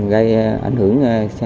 gây ảnh hưởng